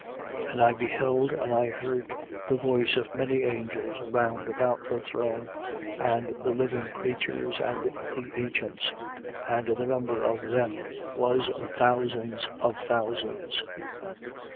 5:11. And I beheld, and I heard the voice of many angels round about the throne and the living creatures and the ancients (and the number of them was thousands of thousands), 5:12.